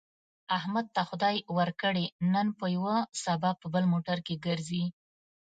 احمد ته خدای ورکړې، نن په یوه سبا په بل موټر کې ګرځي.